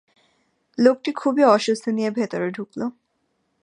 লোকটি খুবই অস্বস্তি নিয়ে ভেতরে ঢুকল।